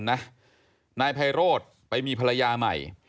นายไพโรธไปมีภรรยาใหม่